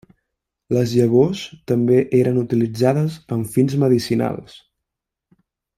Les llavors també eren utilitzades amb fins medicinals.